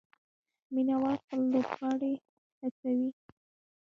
مینه وال خپل لوبغاړي هڅوي.